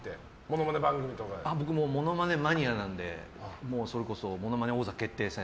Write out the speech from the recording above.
僕、モノマネマニアなのでそれこそ「ものまね王座決定戦」